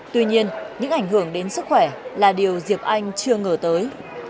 tuy nhiên những ảnh hưởng đến sức khỏe là điều diệp anh chưa ngờ tới